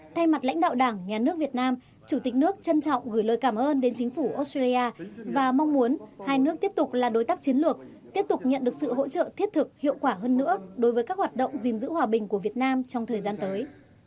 thay mặt lãnh đạo đảng nhà nước việt nam chủ tịch nước trân trọng gửi lời cảm ơn đến chính phủ australia và mong muốn hai nước tiếp tục là đối tác chiến lược tiếp tục nhận được sự hỗ trợ thiết thực hiệu quả hơn nữa đối với các hoạt động gìn giữ hòa bình của việt nam trong thời gian tới